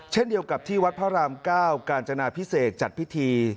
เช่นเดียวกับที่วัดพระราม๙กาญจนาพิเศษจัดพิธี